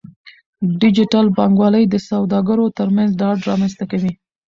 ډیجیټل بانکوالي د سوداګرو ترمنځ ډاډ رامنځته کوي.